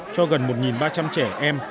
cho gần một ba trăm linh trẻ em